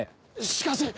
しかし！